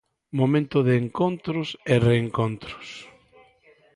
Momento de encontros e reencontros.